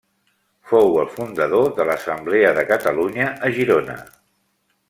Fou el fundador de l'Assemblea de Catalunya a Girona.